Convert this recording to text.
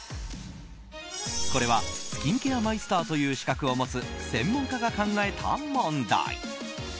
これはスキンケアマイスターという資格を持つ専門家が考えた問題。